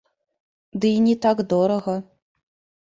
Ды і не так дорага.